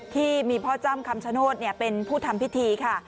ที่มีพ่อจ้ำคำชโนธเป็นผู้ทำพิธีค่ะ